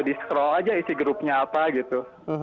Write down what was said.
di scrowl aja isi grupnya apa gitu